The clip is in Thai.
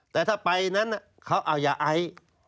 แต่ถ้าไปนั้นเขาเอายาไอ